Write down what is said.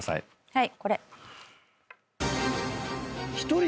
はい。